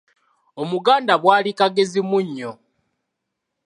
Omuganda bwali “kagezi munnyo? ”